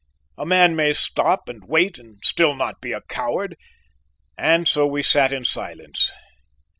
A man may stop and wait and still not be a coward and so we sat in silence.